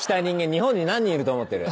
日本に何人いると思ってる。